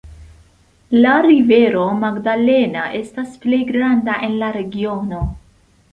La rivero Magdalena estas plej granda en la regiono.